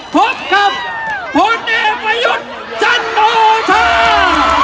พบกับพุทธเนมพยุทธจันทร์โชฮา